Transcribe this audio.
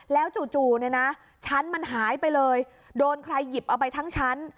แล้วจู่เนี่ยนะชั้นมันหายไปเลยโดนใครหยิบเอาไปทั้งชั้น